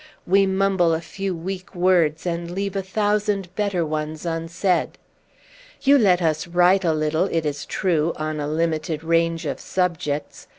We mumble a few weak words, and leave a thousand better ones unsaid. You let us write a little, it is true, on a limited range of subjects.